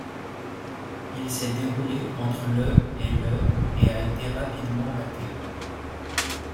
Il s'est déroulé entre le et le et a été rapidement maté.